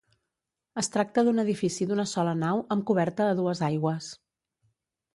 Es tracta d'un edifici d'una sola nau amb coberta a dues aigües.